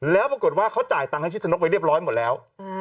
แล้วปรากฏว่าเขาจ่ายตังค์ให้ชิดชนกไปเรียบร้อยหมดแล้ว